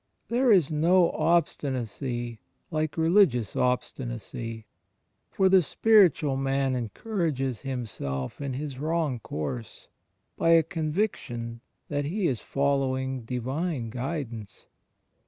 There is no obstinacy like religious obstinacy; for the spiritual man encourages himself in his wrong course, by a conviction that he is following Divine guidance.